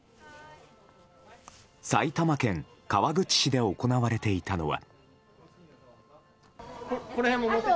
埼玉県川口市で行われていたのは。